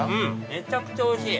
めちゃくちゃおいしい。